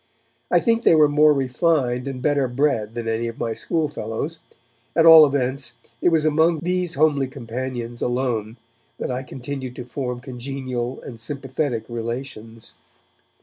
I think they were more refined and better bred than any of my schoolfellows, at all events it was among these homely companions alone that I continued to form congenial and sympathetic relations.